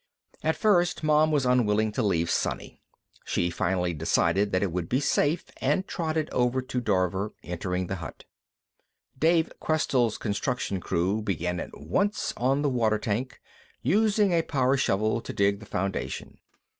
At first, Mom was unwilling to leave Sonny. She finally decided that it would be safe, and trotted over to Dorver, entering the hut. Dave Questell's construction crew began at once on the water tank, using a power shovel to dig the foundation.